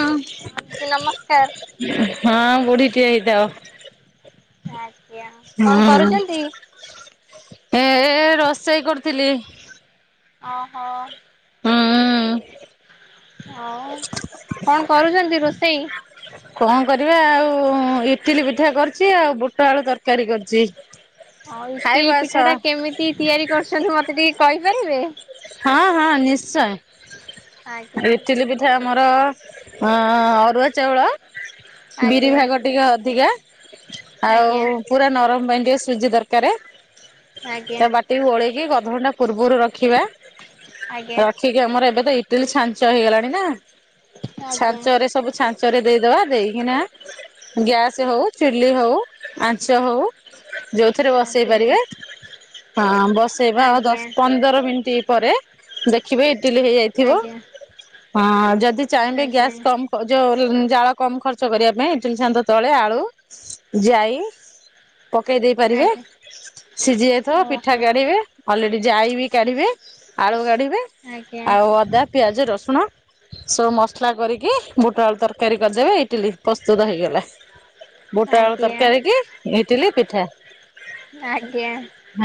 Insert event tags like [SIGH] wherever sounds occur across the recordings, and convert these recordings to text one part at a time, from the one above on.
ଆଁ ଦି ନମସ୍କାର [INAUDIBLE] ହଁ ବୁଢ଼ୀ ଟିଏ ହେଇଥାଅ। ଆଜ୍ଞା, କଣ କରୁଚନ୍ତି? ହେଁ ଏ ରୋଷେଇ କରୁଥିଲି। ଅ ହ ହୁଁ ଉଁ - ଆଉ, କଣ କରୁଚନ୍ତି ରୋଷେଇ? କଁ କରିବା ଆଉ ଇଟିଲି ପିଠା କରିଚି ଆଉ ବୁଟ ଆଳୁ ତରକାରୀ କରିଚି। ଆଉ ଇଟିଲି ପିଠା ଟା କେମିତି ତିଆରି କରୁଛନ୍ତି ମତେ ଟିକେ କହିପାରିବେ? ହଁ ହଁ ନିଶ୍ଚୟ, ଇଟିଲି ଆଜ୍ଞା ପିଠ ଇଟିଲି ପିଠା ଆମର ଆଁ ଅରୁଆ ଚାଉଳ ବିରି ଆଜ୍ଞା ଭାଗ ଟିକେ ଅଧିକା ଆଜ୍ଞା ଆଉ ପୁରା ନରମ ପାଇଁ ଟିକେ ସୁଜି ଦରକାରେ - ଆଜ୍ଞା ତାକୁ ବାଟିକି ଉଳେଇକି ଅଧ ଘଣ୍ଡା ପୂର୍ବୁରୁ ରଖିବା - ଆଜ୍ଞା। ଠିକ ଆମର ଏବେ ତ ଇଟିଲି ଛାଞ୍ଚ ହେଇଗଲାଣି ନା, ଆଜ୍ଞା ଛାଞ୍ଚରେ ସବୁ ଛା ରେ ଦେଇଦବା ଦେଇକିନା ଗ୍ୟାସ ହଉ ଚୁଲି ହଉ ଆଞ୍ଚ ହଉ ଯଉଥିରେ ବସେଇ ଆଜ୍ଞା ପାରିବେ, ହଁ ବସେଇବା ଆଉ ଆଜ୍ଞା ଦଶ ପନ୍ଦର ମିନିଟ୍ ପରେ ଦେଖିବେ ଇଟିଲି ହେଇଯାଇଥିବ ଆଜ୍ଞା ହଁ ଯଦି ଚାହିଁବେ ଆଜ୍ଞା ଗ୍ୟାସ୍ କମ ଯୋଉ ଜାଳ କମ ଖର୍ଚ୍ଚ କରିବା ପାଇଁ ଇଟିଲି ଚାଞ୍ଚ ତଳେ ଆଳୁ ଯାଇ ପକେଇ ଦେଇ ପାରିବେ, ଆଜ୍ଞା ସିଝି ଯାଇଥିବ ପିଠା ଓହୋ କାଢିବେ, ଅଲରେଡି ଜାଇ ବି କାଢିବେ ଆଳୁ କାଢିବେ ଆଜ୍ଞା ଆଉ ଅଦା, ପିଆଜ, ରସୁଣ ସବୁ ମସଲା କରିକି ବୁଟ ଆଳୁ ତରକାରୀ କରିଦେବେ ଇଟିଲି ପ୍ରସ୍ତୁତ ହେଇଗଲା - ବୁଟ ଆଳୁ ଆଜ୍ଞା ତରକାରୀ କି ଇଟିଲି ପିଠା, ଆଜ୍ଞା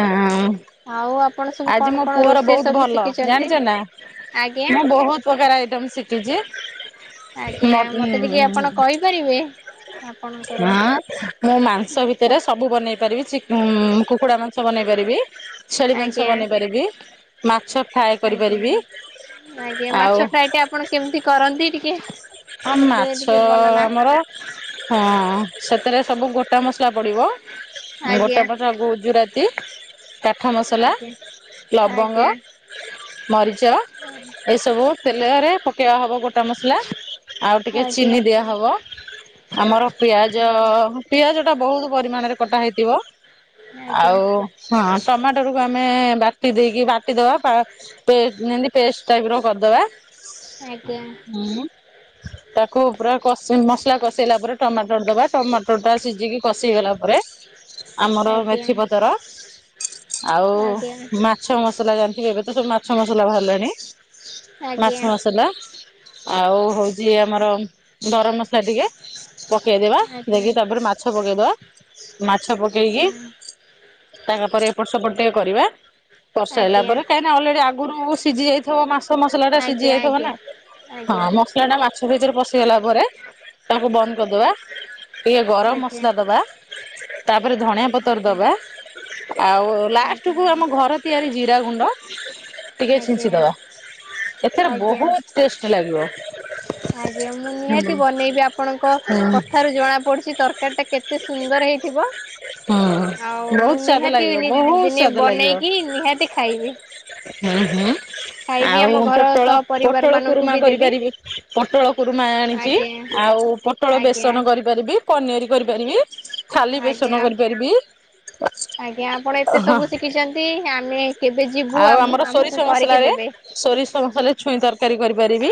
ହଁ - ଆଉ ଆପଣ ସବୁ ଆଜି କଣ ମୋ କଣ ପୁଅର ରୋଷେଇ ବହୁତ ସବୁ ଭଲ ଶିଖିଛନ୍ତି? ଜାଣିଛ ନା ଆଜ୍ଞା ମୁଁ ବହୁତ ପ୍ରକାର ଆଇଟମ୍ ଶିଖିଚି ଆଜ୍ଞା ମତେ ଟିକେ ଆପଣ କହିପାରିବେ? ଆପଣଙ୍କର ହଁ ମୁଁ ମାଂସ ଭିତରେ ସବୁ ବନେଇ ପାରିବି ଚିକ୍ କୁକୁଡା ମାଂସ ବନେଇ ପାରିବି ଛେଳି ମାଂସ ଆଜ୍ଞା ବନେଇ ପାରିବି ମାଛ ଫ୍ରାଏ ଆଜ୍ଞା କରିପାରିବି, ଆଜ୍ଞା ମାଛ ଆଉ ଫ୍ରାଏ ଟା ଆପଣ କେମିତି କରନ୍ତି ଟିକେ - ଆଉ ମାଛ ଆମର ହଁ ସେଥେରେ ସବୁ ଗୋଟା ମସଲା ପଡିବ - ମୁଁ ଆଜ୍ଞା ଗୋଟେ ପଟ ଗୁଜୁରାତି କାଠ ମସଲା। ଆଜ୍ଞା ଲବଙ୍ଗ। ଆଜ୍ଞା ମରିଚ ଆଜ୍ଞା ଏସବୁ ତେଲରେ ପକାଇବା ହେବ ଗୋଟା ମସଲା। ଆଉ ଟିକେ ଆଜ୍ଞା ଚିନି ଦିଆ ହବ ଆମର ପିଆଜ ଆଜ୍ଞା ପିଆଜଟା ବହୁତ ପରିମାଣରେ କଟା ହେଇଥିବ। ଆଉ ହଁ ଟମାଟୋରକୁ ଆମେ ବାଟି ଦେଇକି ବାଟିଦବା ପା ପେଷ୍ଟ ଯେମିତି ପେଷ୍ଟ ଟାଇପର କରି ଦେବା। ଆଜ୍ଞା। ତାକୁ ପୁରା କ ମସଲା କଷେଇଲା ପରେ ଟମାଟର ଦବା ଟମାଟର ଟା ସିଝିକି କଷି ଗଲା ପରେ। ଆମର ମେଥିପତର ଆଉ ମା ମାଛ ମସଲା ଜାଣିଥିବେ ଏବେ ତ ସବୁ ମାଛ ମସଲା ବାହାରିଲାଣି ମାଛ ମସଲା। ଆଉ ହଉଛି ଆମର ଗରମ ମସଲା ଟିକେ। ପକେଇଦବା ଦେଇକି ତାପରେ ମାଛ ପକେଇଦବା ମାଛ ପକେଇକି। ତାଙ୍କ ପରେରେ ଏପଟ ସେପଟ ଟିକେ କରିବା କରି ସାରିଲା ପରେ କାହିଁକି ଅଲରେଡି ଆଗରୁ ସିଝି ଯାଇ। ମାଛ ମସଲାଟା ସିଝି ଆଜ୍ଞା ଯାଇଥିବ ନା ଆଜ୍ଞା ହଁ। କ ମାଛ ଭିତରେ ପଶିଗଲା ପରେ ତାଙ୍କୁ ବନ୍ଦ କରିଦବା। ଟିକେ ଗରମ ମସଲା ଦବା ତାପରେ ଧଣିିଆ ପତର ଦବା। ଆଉ ଲାଷ୍ଟ କୁ ଆମ ଘର ତିଆରି ଜିରା ଗୁଣ୍ଡ। ଟିକେ ଆଜ୍ଞା ଆଜ୍ଞା ଛିଞ୍ଚିଦବା ଏଥିରେ ଆଜ୍ଞା ବହୁତ ଟେଷ୍ଟ ଲାଗିବ। ଆଜ୍ଞା ମୁଁ ହୁଁ ନିହାତି ବନେଇବି ଆପଣଙ୍କ ହୁଁ କଥାରୁ ଜଣା ପଡୁଛି ତରକାରୀ ଟା କେତେ ସୁନ୍ଦର ହେଇଥିବ? ହଁ ଆଉ ମୁଁ ବହୁତ ସ୍ବାଦ ନିହାତି ଲାଗିବ ବହୁତ ଦିନେ ସ୍ବାଦ ଲାଗିବ। ବନେଇକି ନିହାତି ଖାଇବି। ହୁଁ ହୁଁ ଖାଇବି ଆମ ଆଉ ଘର ପୋଟଳ, ସହ ପରିବାର ପୋଟଳ ମାନଙ୍କୁ କୁରୁମା ବି ଦେବି କରିପାରିବି। ପୋଟଳ କୁରୁମା ଆଣିଛି ଆଜ୍ଞା ଆଉ ପୋଟଳ ଆଜ୍ଞା। ବେସନ କରିପାରିବି ପନିର କରିପାରିବି। ଖାଲି ବେସନ ଆଜ୍ଞା। କରିପାରିବି ଆଜ୍ଞା ଆପଣ ଏତେ ହ ସବୁ ଶିଖିଛନ୍ତି ଆମେ କେବେ ଯିବୁ ଆମ ଆମର ସୋରିଷ ଆମକୁ କରିକି ମସଲାରେ ଦେବେ? ସୋରିଷ ସମସଲାରେ ଛୁଇଁ ତରକାରୀ କରିପାରିବି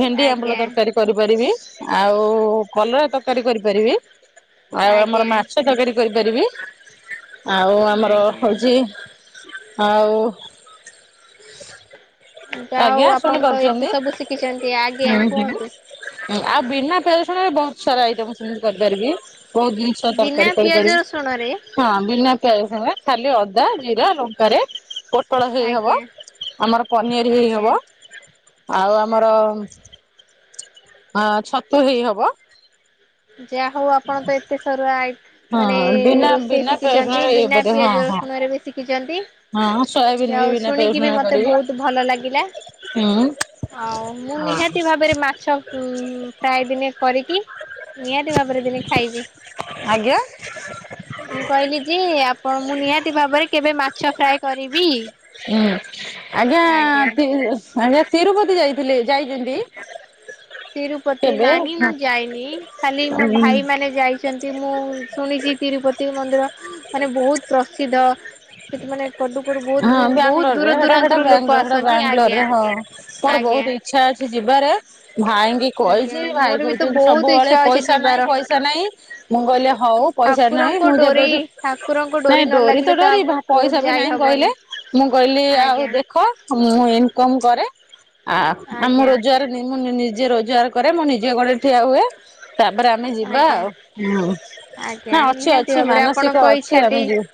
ଭେଣ୍ଡି ଆମ୍ବୁଲ ଆଜ୍ଞା ତରକାରୀ କରିପାରିବି ଆଉ କଲରା ତରକାରୀ କରିପାରିବି ଆଉ ଆମର ଆଜ୍ଞା ମାଛ ତରକାରୀ କରିପାରିବି ଆଉ ଆମର ଆଜ୍ଞା। ହଉଛି ଆଉ ଯାହା ଆଜ୍ଞା ହଉ ଶୁଣି ଆପଣ ତ ପାରୁଛନ୍ତି ଏତେ ସବୁ ଶିଖିଛନ୍ତି ଆଜ୍ଞା ହୁଁ ହୁଁ। କୁହନ୍ତୁ। ଆଉ ବିନା ପିଆଜରସୁଣରେ ବହୁତ ସାରା ଆଇଟମ ସେମିତି କରିପାରିବି ବହୁତ ଜିନ ବିନା ତରକାରୀ ପିଆଜ କରିପାରିବି ରସୁଣରେ ହଁ ବିନା ପିଆଜରସୁଣରେ ଖାଲି ଅଦା, ଜିରା, ଲଙ୍କାରେ। ପଳ ହେଇ ହେବ ଆଜ୍ଞା ଆମର ପନିର ହେଇ ଆଜ୍ଞା। ହେବ ଆଉ ଆମର ଅ ଛତୁ ହେଇ ହବ। ଯାହା ହଉ ଆପଣ ତ ଏତେ ସରୁ ଆଇ ମାନେ ହଁ ବିନା ରୋଷେଇ ବିନା ପେଆଜ ରସୁଣ ଶିଖିଛନ୍ତି ଇଏ ବିନା କରିବେ ହଁ ପିଆଜ ହଁ। ରସୁଣରେ ବି ଶିଖିଛନ୍ତି ହଁ ସୋୟାବିନ୍ ଯାହ ବି ହଉ ବିନା ପିଆଜ ଶୁଣିକି ରସୁଣ ବି ମତେ କରିବି ବହୁତ ଭଲ ଲାଗିଲା। ହୁଁ। ଆଉ ମୁଁ ନିହାତି ଭାବରେ ମାଛ ଫ୍ରାଏ ଦିନେ କରିକି ନିହାତି ଭାବରେ ଦିନେ ଖାଇବି। ଆଜ୍ଞା। ମୁଁ କହିଲି ଯେ ଆପଣ ମୁଁ ନିହାତି ଭାବରେ କେବେ ମାଛ ଫ୍ରାଏ କରିବି। ହୁଁ ଆଜ୍ଞା ଆଜ୍ଞା ତିରୁପତି ଯାଇଥିଲେ ଯାଇଛନ୍ତି। ତିରୁପତି କେବେ ନାହିଁ ମୁଁ ଯାଇନି ଖାଲି ମୋ ହଁ ଭାଇମାନେ ଯାଇଛନ୍ତି ମୁଁ ଶୁଣିଛି ତିରୁପତି ମନ୍ଦିର ମାନେ ବହୁତ ପ୍ରସିଦ୍ଧ। ସେଠିମାନେ କ୍ୱାଡୁକ୍ୱାଡୁ ବହୁତ ବହୁ ବହୁତ ବାଙ୍ଗାଲୋରରେ ଦୂର ହେଟା ହେଟା ଦୂରାନ୍ତରୁ ବାଙ୍ଗ ଲୋକ ହେଟା ଆସନ୍ତି ବାଙ୍ଗାଲୋରରେ ଆଜ୍ଞା। ହଁ। ମୋର ବହୁ ଆଜ୍ଞା ଇଚ୍ଛା ଅଛି ଯିବାରେ, ଭାଇଙ୍କି ଆଜ୍ଞା କହିଚି ମୋର ଭାଇ ବି [UNINTELLIGIBLE] ତ ବହୁତ ସବୁବେଳେ ଇଚ୍ଛା ଅଛି ପଇସା ନାଇଁ ଯିବାର। ପଇସା ନାଇଁ ମୁଁ କଇଲି ହଉ ପଇସା ନାଇଁ, ଠାକୁରଙ୍କ ମୁଁ ଡୋରି ଯେବେବି ଠାକୁରଙ୍କ ନାଇଁ ନ ଡୋରି ତ ଲାଗିଲେ ଡୋରି ଆଉ ପଇସା କୋଉଠି ବି ଯାଇ ନାଇଁ କହିଲେ ହବନି। ମୁଁ କହିଲି ଆଉ ଆଜ୍ଞା ଦେ ଖ, ମୁଁ ଇନ୍କମ୍ କରେ, ଆ-ଆ ମୋ ଆଜ୍ଞା ରୋଜଗାର ନି ମୁଁ ନିଜେ ରୋଜଗାର କରେ ମୁଁ ନିଜ ଗୋଡରେ ଠିଆ ହୁଏ ତାପରେ ଆମେ ଯିବା ଆଜ୍ଞା। ଆଉ। ଆଜ୍ଞା ନା ନିହାତି ଅଛି-ଅଛି ମାନସିକ ଅଛି ଆମେ ଯିବୁ।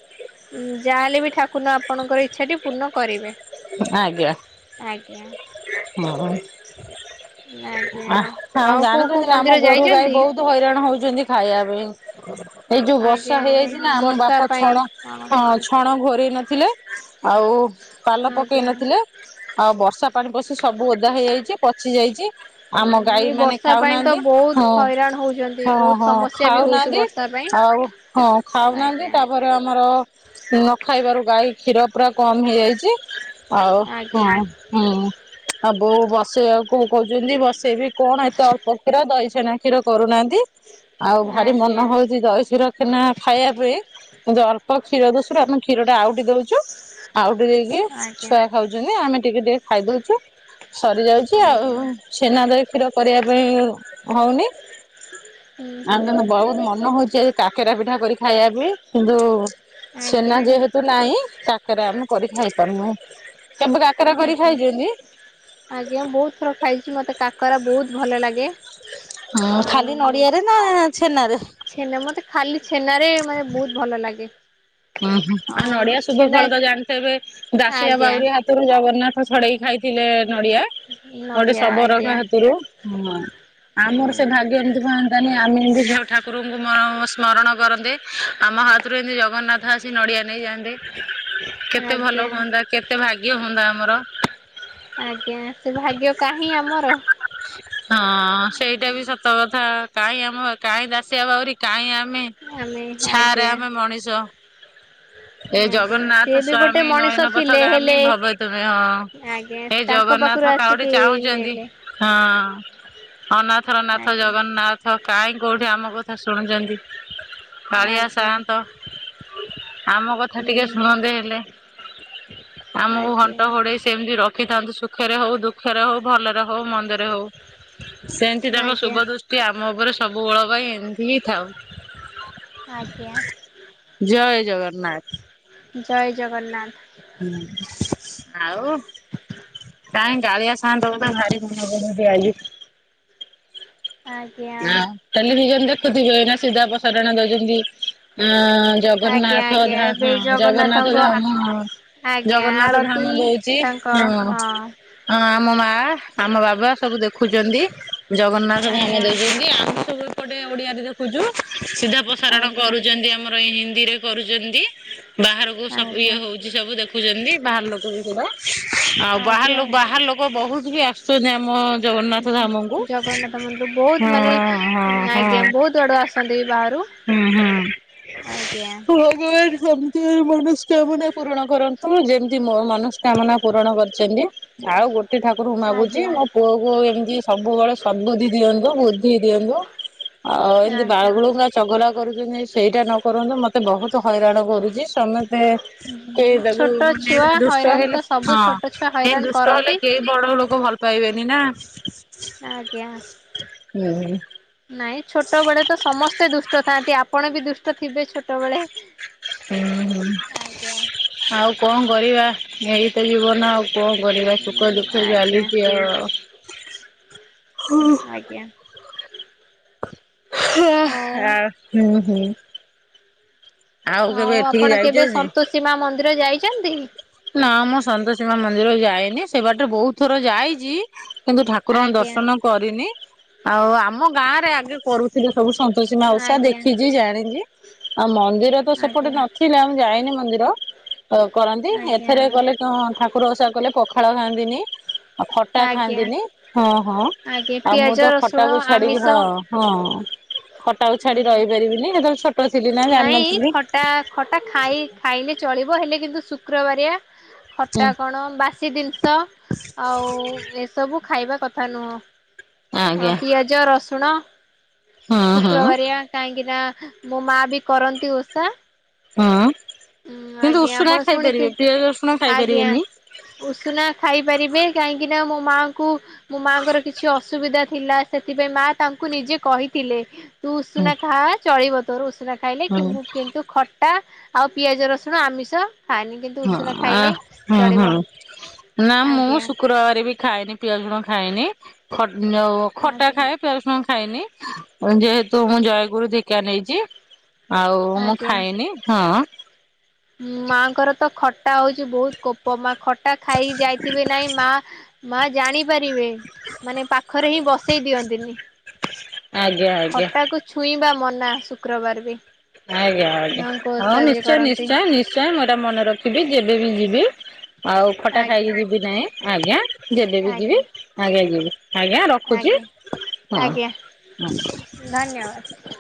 ଉଁ ଯାହାହେଲେ ବି ଠାକୁର ଆପଣଙ୍କର ଇଚ୍ଛାଟି ପୂର୍ଣ୍ଣ କରିବେ। ଆଜ୍ଞା। ଆଜ୍ଞା। ଆଜ୍ଞା, ହଁ ଆଉ କୋଉ [UNINTELLIGIBLE] କୋଉ ଆମ ମନ୍ଦିର ଗୋରୁ ଗାଈ ଯାଇଛନ୍ତି? ବହୁତ୍ ହଇରାଣ ହଉଚନ୍ତି ଖାଇଆ ପେଇଁ। ଏଇ ଯୋଉ ବର୍ଷା ଆଜ୍ଞା ହେଇଯାଇଛି ନା ଆମ ବର୍ଷା ବାପା ପାଇଁ ଛଣ ଓହୋ ହଁ ଛଣ ଘୋରେଇ ନଥିଲେ ଆଉ ପାଲ ପକେଇ ଆଜ୍ଞା। ନଥିଲେ, ଆଉ ବର୍ଷା ପାଣି ପଶି ସବୁ ଓଦା ହେଇଯାଇଚି ପଚି ଯାଇଚି। ଏଇ ବର୍ଷା [INAUDIBLE] ପାଇଁ ତ ଖାଉନାହାନ୍ତି, ବହୁତ ହଇରାଣ ହଉଛନ୍ତି ବହୁତ ସମସ୍ୟା ବି ହଉଛି ବର୍ଷା ପାଇଁ। ଆଜ୍ଞା ତାପରେ ଆମର ନ ଖାଇବାରୁ ଗାଈ କ୍ଷୀର ପୁରା କମ୍ ହେଇଯାଇଚି। ଆଉ ଆଜ୍ଞା ହଁ ହୁଁ ଆଉ ବୋଉ ବସେଇବାକୁ କହୁଚନ୍ତି ବସେଇବି। କଣ ଏତେ ଅଳ୍ପ କ୍ଷୀର ଦହିଛେନା କ୍ଷୀର କରୁନାହାନ୍ତି, ଆଉ ଭାରି ମନ ଆଜ୍ଞା ହଉଚି ଦହି କ୍ଷୀର ଛେନା ଖାଇବା ପାଇଁ କିନ୍ତୁ ଅଳ୍ପ କ୍ଷୀର [UNINTELLIGIBLE] ଆମେ କ୍ଷୀରଟା ଆଉଟି ଦଉ ଚୁ, ଆଉଟି ଦେଇକି ଆଜ୍ଞା ଛୁଆ ଖାଉଚନ୍ତି ଆମେ ଟିକେ-ଟିକେ ଖାଇଦଉଚୁ। ସରିଯାଉଚି ଆଉ ଆଜ୍ଞା। ଛେନା, ଦହି, କ୍ଷୀର କରିବା ପାଇଁ ହଉନି। ହୁଁ ଆଉ ହୁଁ କିନ୍ତୁ ବହୁତ୍ ମନ ହଉଚି ଆଜି କାକେରା ପିଠା କରି ଖାଇଆ ପେଇଁ କିନ୍ତୁ ଛନା ଆଜ୍ଞା ଯେହେତୁ ନାହିଁ କାକେରା ଆମେ କରି ଖାଇପାରୁନୁ, କେବେ କା ଆଜ୍ଞା-ଆଜ୍ଞା ବହୁତ୍ ଥର ଖାଇଚି, ମତେ କା କରା ବହୁତ୍ ଭଲ ଲାଗେ, ହଁ ଖାଲି ଆଉ ନଡିଆରେ ନା ଛେନାରେ? ଛେନା ମତେ ଖାଲି ଛେନାରେ ମାନେ ବହୁତ୍ ଭଲ ଲାଗେ। [UNINTELLIGIBLE] ଆଉ ନଡିଆ ଶୁଭ ଫଳ ତ ଜାଣିଥେବେ, ଦାଶିଆ ଆଜ୍ଞା। ବାଉରି ହାତରୁ ଜଗନ୍ନାଥ ଛଡେଇକି ଖାଇ ଥିଲେ ନଡ଼ିଆ। [UNINTELLIGIBLE] ନଡ଼ିଆ ଶବରଙ୍କ ଆଜ୍ଞା ହାତୁରୁ ଆମର ସେ ଭାଗ୍ୟ ଏମ୍ତି [UNINTELLIGIBLE] ତହେନେ ଆମେ ଏନ୍ତି [UNINTELLIGIBLE] ଠାକୁରଙ୍କୁ ସ୍ମରଣ କରନ୍ତେ ଆମ ହାତୁରୁ ଏମ୍ତି ଜଗନ୍ନାଥ [UNINTELLIGIBLE] ଆସି ନଡ଼ିଆ ନେଇଯାଆନ୍ତେ, କେତେ ଆଜ୍ଞା ଭଲ ହୁଅନ୍ତା କେତେ ଭାଗ୍ୟ ହୁଅନ୍ତା ଆମର। ଆଜ୍ଞା, ସେ ଭାଗ୍ୟ କାହିଁ ଆମର। [INAUDIBLE] ହଁ ସେଇଟା ବି ସତ କଥା, କାହିଁ ଆମ କାହିଁ ଦାସିଆ ବାଉରି କାହିଁ ଆମେ। ଆମେ ଛାରେ ଆଜ୍ଞା ଆମେ ମଣିଷ। ଏ ଆଜ୍ଞା ସିଏ ଜଗନ୍ନାଥ ବି ଗୋଟେ ସ୍ଵାମୀ ମଣିଷ ନୟନ ଥିଲେ ପଥଗାମୀ ହେଲେ ଭବେ ତୁମେ ହଁ। ଆଜ୍ଞା ଏ ତାଙ୍କ ପାଖରୁ ଜଗନ୍ନାଥ [UNINTELLIGIBLE] ଗୋଟେ ଆସିକି ଚାହୁଁଚନ୍ତି ନେଲେ ହଁ। ଅନାଥର ନାଥ ଆଜ୍ଞା ଜଗନ୍ନାଥ। କାହିଁ କୋଉଠି ଆମ କଥା ଶୁଣୁଚନ୍ତି କାଳିଆ ଆଜ୍ଞା ସାଆନ୍ତ ଆମ କଥା ଟିକେ ହୁଁ ଶୁଣନ୍ତେ ହେଲେ। ଆମୁକୁ ଆଜ୍ଞା ଘଣ୍ଟ ଘୋଡେଇ ସେମ୍ତି ରଖିଥାନ୍ତୁ, ସୁଖେରେ ହଉ ଦୁଖେରେ ହଉ ଭଲେରେ ହଉ ମନ୍ଦେରେ ହଉ। ସେନ୍ତି ତାଙ୍କ ଆଜ୍ଞା ଶୁଭ ଦୃଷ୍ଟି ଆମ ଓପରେ ସବୁ ବେଳ ପାଇଁ ଏମ୍ତି ହିଁ ଥାଉ। ଆଜ୍ଞା। ଜୟ ଜଗନ୍ନାଥ। ଜୟ ଜଗନ୍ନାଥ। ହଁ, ଆଉ। କାହିଁ କାଳିଆ ସାଅନ୍ତ ତ ଭାରି। [UNINTELLIGIBLE] ଆଜ୍ଞା ହ ଟେଲିଭିଜନ ଦେଖୁଥିବେନା ସିଧାପ୍ରସାରଣ ଦଉଛନ୍ତି, ଆ ଆଜ୍ଞା ଜଗନ୍ନାଥ ଆଜ୍ଞା ଧାମ ଏବେ ହଁ ଜଗନ୍ନାଥ ଜଗନ୍ନାଥଙ୍କ ଆ ଧାମ ହଁ। ଆଜ୍ଞା ଜଗନ୍ନାଥ ଆଳତି ଧାମ ଦଉଛି, ହଁ। ହଁ ଆମ ମାଆ, ଆମ ବାବା ସବୁ ଦେଖୁଛନ୍ତି ଜଗନ୍ନାଥ ଧାମ ଆଜ୍ଞା ଦ ଆମେ ସବୁ ଏପଟେ ଓଡିଆରେ ଦେଖୁଛୁ ସିଧା ପ୍ରସାରଣ ଆଜ୍ଞା କରୁଛନ୍ତି, ଆମର ଏଇ ହିନ୍ଦୀରେ। କରୁଛନ୍ତି। ବାହାରକୁ ସବୁ ଇଏ ଆଜ୍ଞା ହଉଛି, ସବୁ ଦେଖୁଛନ୍ତି ବାହାର ଲୋକ ବି ପୁରା, ଆଉ ବାହାର ଲୋ ଆଜ୍ଞା ବାହାର ଲୋ କ ବହୁତ ବି ଆସୁଛନ୍ତି, ଆମ ଜଗନ୍ନାଥ ଧାମକୁ। ଜଗନ୍ନାଥ ମନ୍ଦିର ବହୁତ ହଁ ମାନେ ହଁ ହଁ ଆଜ୍ଞା ବହୁତ ଆଡ଼ୁ ଆସନ୍ତି ବି ବାହାରୁ, ହୁଁ ହୁଁ ଆଜ୍ଞା। ଭଗବାନ ସେମିତି ମନସ୍କାମନା ପୂରଣ କରନ୍ତୁ, ଯେମିତି ମୋ ମନସ୍ କାମନା ପୂରଣ କରିଛନ୍ତି। ଆଉ ଗୋଟେ ଠାକୁରଙ୍କୁ ମାଗୁଛି, ଆଜ୍ଞା ମୋ ପୁଅକୁ ଏମିତି ସବୁବେଳେ ସଦ୍ ବୁଦ୍ଧି ଦିଅ ବୁଦ୍ଧି ଦିଅନ୍ତୁ, ଆଉ ଏମିତି ଆଜ୍ଞା। ବାଳୁ ଚଗଲା କରୁଛନ୍ତି ସେଇଟା ନ କରନ୍ତୁ, ମତେ ବହୁତ ହଇରାଣ କରୁଛି, ସମସ୍ତେ ସେଇଟାକୁ ଛୋଟ ମାନେ ଛୁଆ ଦୁଷ୍ଟ ହଇରାଣ ତ ହେଲେ, ସବୁ ହଁ ଛୋଟ ଛୁଆ ଏ ହଇରାଣ ଦୁଷ୍ଟ ହେଲେ କରନ୍ତି। କେ ବଡ ଲୋକ ଭଲ ପାଇବେନି ନା। ଆଜ୍ଞା। ହୁଁ। ନାଇଁ ଛୋଟ ବେଳେ ତ ସମସ୍ତେ ଦୁଷ୍ଟ ଥାଆନ୍ତି, ଆପଣ ବି ଦୁଷ୍ଟ ଥିବେ ଛୋଟବେଳେ। ହୁଁ-ହୁଁ, ଆଜ୍ଞା ଆଉ କଣ କରିବା? ଏଇତ ଜୀବନ ଆଉ। କଣ କରିବା? ସୁଖ ଦୁଃଖ ଆଜ୍ଞା ଚାଲିଛି ଆଉ। ଆଜ୍ଞା। ହଉ। ହ-ହ-ହୁଁ-ହୁଁ। ଆଉ ଏଠିକି ଆପଣ କେବେ ଯାଇଛନ୍ତି? ସନ୍ତୋଷୀ ମା ମନ୍ଦିର ଯାଇଛନ୍ତି? ନା ମୁଁ ସନ୍ତୋଷୀ ମା ମନ୍ଦିର ଯାଏନି, ସେ ବାଟେ ବହୁ ଥର ଯାଇଛି, କିନ୍ତୁ ଠାକୁରଙ୍କୁ ଆଜ୍ଞା ଦର୍ଶନ କରିନି। ଆଉ ଆମ ଗାଁରେ ଆଗେ କରୁଥିଲେ, ସବୁ ସନ୍ତୋଷୀ ମା ଓସା ଆଜ୍ଞା ଦେଖିଛି ଜାଣିଛି। ଆଉ ମ ଏରା ତ ସେପଟେ ଆଜ୍ଞା ନଥିଲା, ମୁଁ ଯାଇନି ମନ୍ଦିର ତ କରନ୍ତି, ଆଜ୍ଞା ଏଥର ଗଲେ ହ-ହ ଠାକୁର ଓସା କଲେ ପଖାଳ ଖାଆନ୍ତିନି, ଆଉ ଖଟା ଆଜ୍ଞା। ଖାଆନ୍ତିନି ହଁ-ହଁ। ଆଜ୍ଞା ଆଉ ମୁଁ ପିଆଜ ତ ରସୁଣ ଖଟାକୁ ଛାଡିକି, ଆମିଷ ହଁ ହଁ ଖଟାକୁ ଛାଡି ରହିପାରିବିନି, ସେତେବେଳେ ଛୋଟ ଥିଲି ନା ନାଇଁ ଜାଣିନଥିଲି। ଖଟା ଖଟା ଖାଇ ଖାଇଲେ ଚଳିବ, ହେଲେ କିନ୍ତୁ ଶୁକ୍ରବାରିଆ ହୁଁ ଖଟା କଣ ବାସ୍ ସି ଜିନିଷ ଆଉ ଏସବୁ ଖାଇବା କଥା ନୁହଁ। ଆଉ ଆଜ୍ଞା ପିଆ ଜ ରସୁଣ ହଁ ହଁ ଶୁକ୍ରବାରିଆ କାହିଁକି ନା, ମୋ ମା ବି କରନ୍ତି ଓଷା ହଁ କିନ୍ତୁ ଆଜ୍ଞା ଉଷୁନା ଆପଣ ଖାଇପାରିବେ, ଶୁଣିଥିବେ ପିଆଜ ରସୁଣ ଖାଇ ଆଜ୍ଞା ପାରିବେନି ଉଷୁନା ଖାଇପାରିବେ, କାହିଁକି ନା ମୋ ମାଆଙ୍କୁ ମୋ ମାଆଙ୍କର କିଛି ଅସୁବିଧା ଥିଲା, ସେଥିପାଇଁ ମା ତାଙ୍କୁ ନିଜେ କହିଥିଲେ। ତୁ ହୁଁ ଉଷୁନା ଖା, ଚଳିବ ତୋର ଉଷୁନା ଖାଇଲେ ହୁଁ କିମୁ କିନ୍ତୁ ଖଟା ଆଉ ପିଆଜ ରସୁଣ ଆମିଷ ଖାଏନି ହଁ-ଆ-ହଁ-ହଁ-ନା ମୁଁ ଆଜ୍ଞା ଶୁକ୍ରବାର ବି ଖାଇଏନି ପିଆସୁଣ ଖାଇନି ଖ ଖଟା ଆଜ୍ଞା ଖାଏ ପିଆଜସୁଣ ଖାଏନି। ଯେହେତୁ ମୁଁ ଜୟଗୁରୁ ଦୀକ୍ଷା ନେଇଛି। ଆଉ ମୁଁ ଆଜ୍ଞା। ଖାଏନି ହଁ। ମାଆଙ୍କର ତ ଖଟା ହଉଛି ବହୁତ କୋପ ମା ଖଟା ଖାଇ ଯାଇଥିବେ ନାହିଁ ମା ମା ଜାଣିପାରିବେ ମାନେ ପାଖରେ ହିଁ ବସେଇ ଦିଅନ୍ତିନି। ଆଜ୍ଞା ଆଜ୍ଞା। ଖଟାକୁ ଛୁଇଁବା ମନା ଶୁକ୍ରବାର ବି। ଆଜ୍ଞା ଆଜ୍ଞା। ମାଆଙ୍କୁ ହଁ ଓଷା ଯିଏ ନିଶ୍ଚୟ କରନ୍ତି ନିଶ୍ଚୟ ନିଶ୍ଚୟ। ମୁଁ ଏଇଟା ମନେ ରଖିବି ଯେବେବି ଯିବି। ଆଉ ଖଟା ଆଜ୍ଞା ଖାଇକି ଯିବି ନାହିଁ ଆଜ୍ଞା ଯେବେ ବି ଯିବି ଆଜ୍ଞା ଆଜ୍ଞା ଯିବି। ଆଜ୍ଞା ରଖୁଛି ଆଜ୍ଞା ହଁ ଆଜ୍ଞା ହଁ। ଧନ୍ୟବାଦ।